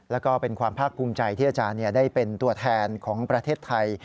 แล้วก็เป็นความภาคภูมิใจที่อาจารย์ได้เป็นตัวแทนของประเทศไทย